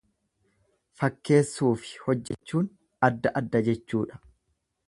Fakkeessuufi hojjechuun adda adda jechuudha.